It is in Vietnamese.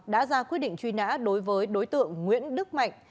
đã ra quyết định truy nã đối với đối tượng nguyễn đức mạnh